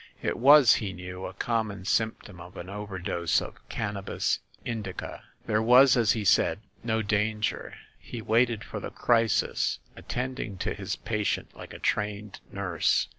It was, he knew, a common symptom of an overdose of Cannabis Indica. There was, as he said, no danger. He waited for the crisis, attending to his patient like a trained nurse.